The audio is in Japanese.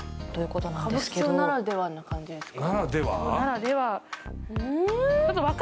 歌舞伎町ならではな感じですか？